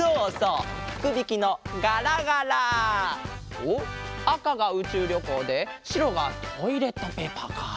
おっあかがうちゅうりょこうでしろがトイレットペーパーか。